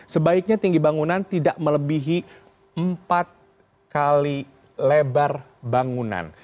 sebaiknya tinggi bangunan tidak melebihi empat kali lebar bangunan